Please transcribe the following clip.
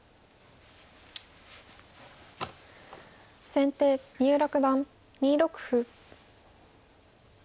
先手三浦九段２六歩。